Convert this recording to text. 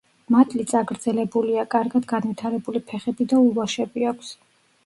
მატლი წაგრძელებულია, კარგად განვითარებული ფეხები და ულვაშები აქვს.